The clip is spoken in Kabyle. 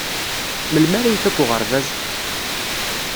Melmi ara ifak uɣerbaz?